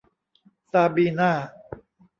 ซาบีน่า